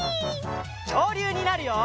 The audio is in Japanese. きょうりゅうになるよ！